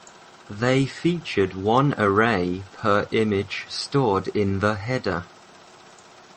They featured one array per image stored in the header.